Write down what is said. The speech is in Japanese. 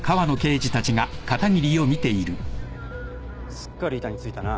すっかり板についたな。